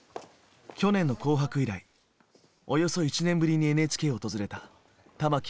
去年の「紅白」以来およそ１年ぶりにＮＨＫを訪れた玉置浩二。